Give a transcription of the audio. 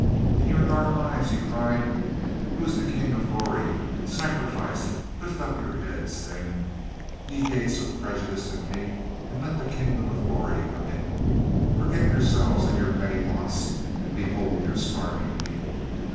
"In your dark lives," he cried, "who is the King of Glory? Sacrifice. Lift up your heads, then, ye gates of prejudice and hate, and let the King of Glory come in. Forget yourselves and your petty wants, and behold your starving people.